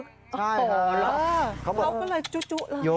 เขาก็เลยจุดจุดเลย